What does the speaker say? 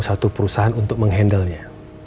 satu perusahaan untuk mengendalnya